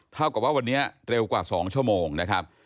เท่ากับว่าวันนี้เร็วกว่า๒ชั่วโมงนะครับ